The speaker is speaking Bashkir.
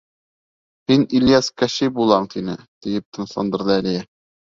— Һин, Ильяс, Кащей булаң, — тине. — тиеп тынысландырҙы Әлиә.